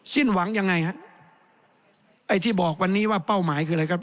สิ้นหวังยังไงฮะไอ้ที่บอกวันนี้ว่าเป้าหมายคืออะไรครับ